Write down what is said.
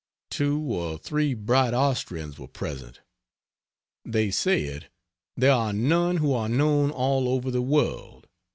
Two or three bright Austrians were present. They said "There are none who are known all over the world!